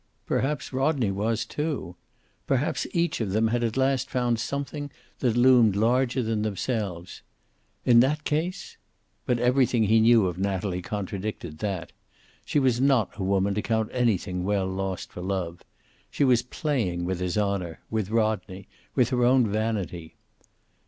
Perhaps Rodney was, too. Perhaps each of them had at last found something that loomed larger than themselves. In that case? But everything he knew of Natalie contradicted that. She was not a woman to count anything well lost for love. She was playing with his honor, with Rodney, with her own vanity.